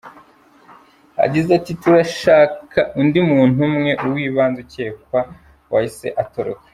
Yagize ati "Turacyashaka undi muntu umwe, uw’ibanze ukekwa wahise atoroka.